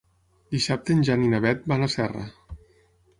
Dissabte en Jan i na Beth van a Serra.